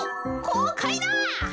こうかいな。